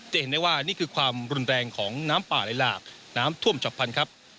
จะเห็นได้ว่านี่คือความรุนแรงของน้ำป่าในหลากน้ำท่วมฉับพันธุ์ครับ